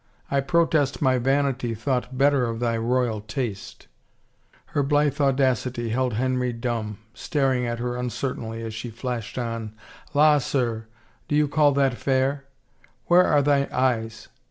I protest my vanity thought better of thy royal taste !" Her blithe audacity held Henry dumb, staring at her uncertainly as she flashed on, " La, sir, do you call that fair? Where are thy eyes?